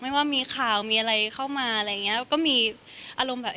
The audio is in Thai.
ว่ามีข่าวมีอะไรเข้ามาอะไรอย่างเงี้ยก็มีอารมณ์แบบ